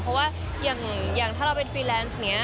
เพราะว่าอย่างถ้าเราเป็นฟรีแลนซ์อย่างนี้